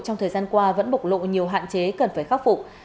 trong thời gian qua vẫn bộc lộ nhiều hạn chế cần phải khắc phục